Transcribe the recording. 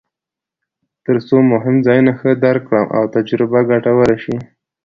ترڅو مهم ځایونه ښه درک کړم او تجربه ګټوره شي.